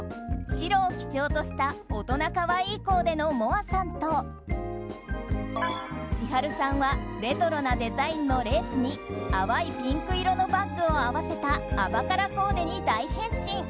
白を基調とした大人可愛いコーデのもあさんと千春さんはレトロなデザインのレースに淡いピンク色のバッグを合わせた甘辛コーデに大変身。